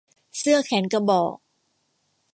เสื้อแขนกระบอก